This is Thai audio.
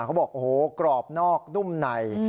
เขาบอกโอ้โหกรอบนอกนุ่มใน